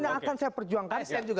yang akan saya perjuangkan